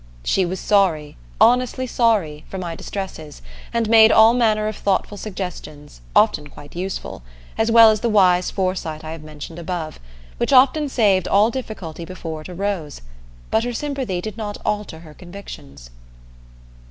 She was sorry, honestly sorry, for my distresses, and made all manner of thoughtful suggestions, often quite useful, as well as the wise foresight I have mentioned above, which often saved all difficulty before it arose; but her sympathy did not alter her convictions.